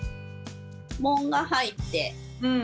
紋が入って。